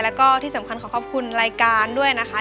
แล้วก็ที่สำคัญขอขอบคุณรายการด้วยนะคะ